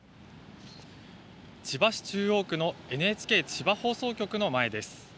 千葉市中央区のＮＨＫ千葉放送局の前です。